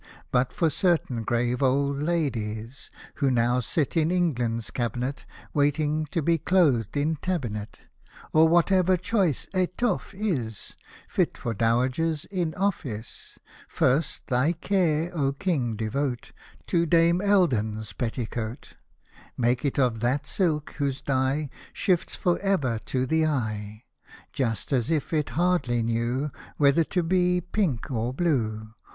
But for certain grave old ladies, Who now sit in England's cabinet, Waiting to be clothed in tabinet, Or whatever choice etoffe is Fit for Dowagers in office. First, thy care, oh King, devote To Dame Eld — n's petticoat. Make it of that silk, whose dye Shifts for ever to the eye, Hosted by Google 2o8 SATIRICAL AND HUMOROUS POEMS Just as if it hardly knew Whether to be pink or blue.